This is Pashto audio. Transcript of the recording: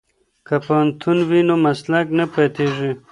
که پوهنتون وي نو مسلک نه پاتیږي.